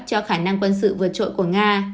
cho khả năng quân sự vượt trội của nga